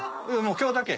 今日だけ。